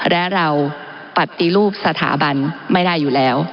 และเราปฏิรูปสถาบันไม่ได้อยู่แล้ว